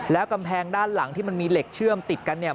แล้วกำแพงด้านหลังที่มันมีเหล็กเชื่อมติดกันเนี่ย